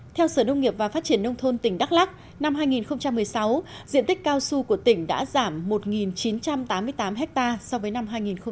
theo sở nông nghiệp và phát triển nông thôn tỉnh đắk lắc năm hai nghìn một mươi sáu diện tích cao su của tỉnh đã giảm một chín trăm tám mươi tám ha so với năm hai nghìn một mươi bảy